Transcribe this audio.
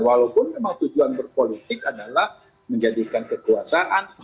walaupun memang tujuan berpolitik adalah menjadikan kekuasaan